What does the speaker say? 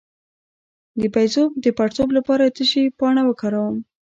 د بیضو د پړسوب لپاره د څه شي پاڼه وکاروم؟